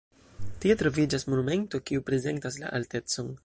Tie troviĝas monumento kiu prezentas la altecon.